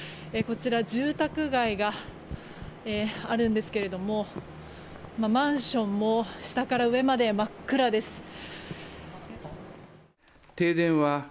こちら、住宅街があるんですけどマンションも下から上まで真っ暗です。